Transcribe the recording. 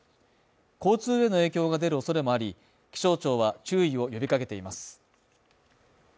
交通への影響が出る恐れもあり、気象庁は注意を呼びかけています。